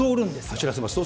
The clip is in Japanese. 走らせます。